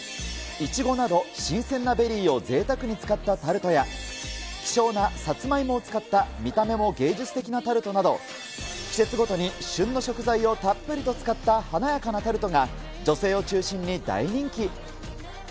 いちごなど、新鮮なベリーをぜいたくに使ったタルトや、希少なさつまいもを使った見た目も芸術的なタルトなど、季節ごとに旬の食材をたっぷりと使った華やかなタルトが、女性を中心に大人気。